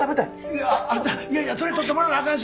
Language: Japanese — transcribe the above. いやいやいやそれとってもらわなあかん